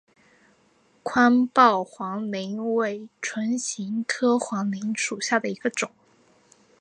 宽苞黄芩为唇形科黄芩属下的一个种。